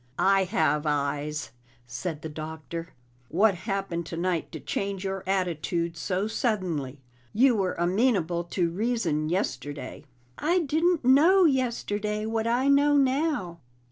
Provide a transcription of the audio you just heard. "I have eyes," said the Doctor. "What happened tonight to change your attitude so suddenly? You were amenable to reason yesterday." "I didn't know yesterday what I know now."